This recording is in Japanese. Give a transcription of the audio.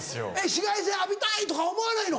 紫外線浴びたい！とか思わないの？